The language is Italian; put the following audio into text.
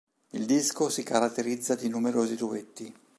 Il disco si caratterizza di numerosi duetti.